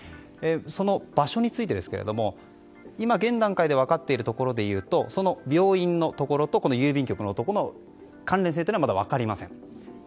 その場所についてですが今、現段階で分かっているところでいうとその病院のところとこの郵便局のところの関連性はまだ分かりません。